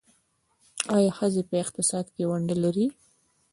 آیا ښځې په اقتصاد کې ونډه لري؟